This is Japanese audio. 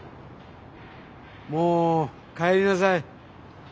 もう帰りなさい。